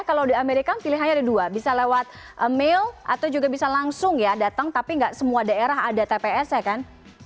kalau di amerika pilihannya ada dua bisa lewat mail atau juga bisa langsung ya datang tapi nggak semua daerah ada tps nya kan